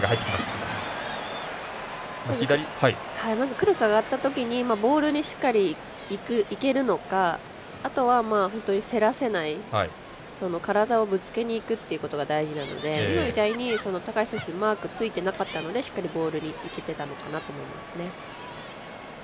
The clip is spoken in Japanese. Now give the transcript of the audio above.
クロスが上がったときにボールがしっかりいけるのかあとは、本当に競らせない体をぶつけにいくっていうのが大事なので今みたいにマークがついてなかったのでしっかりボールにいけてたのかなと思いますね。